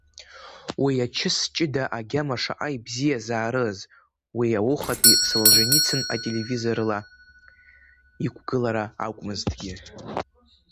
Уи ачыс ҷыда агьама шаҟа ибзиазаарыз, уи аухатәи Солженицин телевизорла иқәгылара акәмызҭгьы.